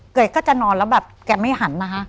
ก็จะนอนแล้วแบบแกไม่หันนะคะ